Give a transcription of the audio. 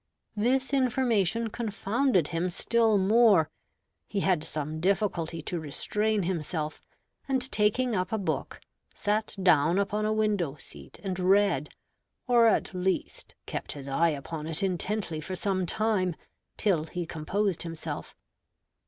This information confounded him still more; he had some difficulty to restrain himself, and taking up a book, sat down upon a window seat and read, or at least kept his eye upon it intently for some time, till he composed himself.